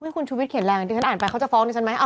คุณชูวิทรเขียนแรงอ่านไปเขาจะฟ้องด้วยฉันไหม